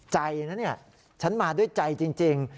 ใจนะเนี่ยฉันมาด้วยใจจริง